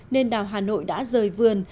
nên đào hà nội đã rời vườn